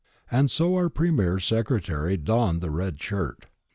And so our Premier's secretary donned the red shirt.